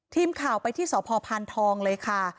ทีมข่าวไปที่สพทเลยครับ